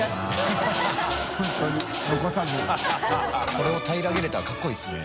これをたいらげれたらかっこいいですね。